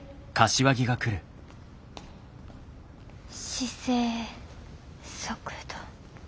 姿勢速度。